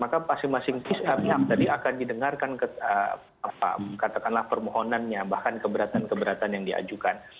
maka masing masing pihak tadi akan didengarkan katakanlah permohonannya bahkan keberatan keberatan yang diajukan